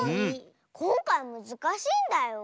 こんかいむずかしいんだよ。